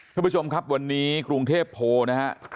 คุณผู้ชมครับวันนี้กรุงเทพโพลนะฮะ